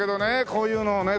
こういうのをね